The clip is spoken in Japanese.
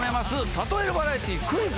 『たとえるバラエティクイズ！